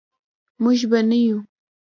موږ به نه یو.